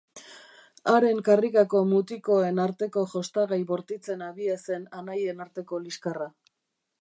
Haren karrikako mutikoen arteko jostagai bortitzen abia zen anaien arteko liskarra.